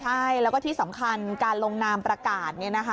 ใช่แล้วก็ที่สำคัญการลงนามประกาศ